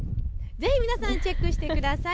ぜひ皆さん、チェックしてください。